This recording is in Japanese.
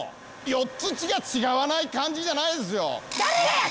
４つしか違わない感じじゃないですよ。